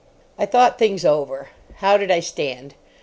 I thought things over. How did I stand?